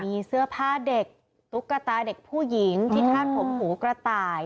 มีเสื้อผ้าเด็กตุ๊กตาเด็กผู้หญิงที่ธาตุผมหูกระต่าย